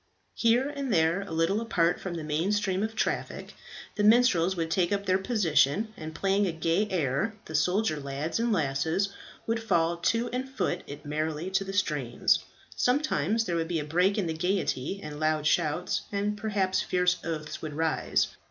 Here and there, a little apart from the main stream of traffic, the minstrels would take up their position, and playing a gay air, the soldier lads and lasses would fall to and foot it merrily to the strains. Sometimes there would be a break in the gaiety, and loud shouts, and perhaps fierce oaths, would rise.